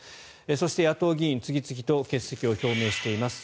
そして、野党議員次々と欠席を表明しています。